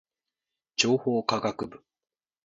情報科学部